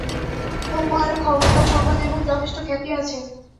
তোমার ক্ষমতা, সম্পদ এবং যথেষ্ট খ্যাতি আছে।